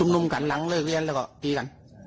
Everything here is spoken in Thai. นี่นะคะ